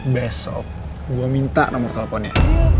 besok gue minta nomor teleponnya